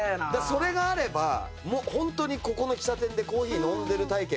それがあればもうホントにここの喫茶店でコーヒー飲んでる体験ができる。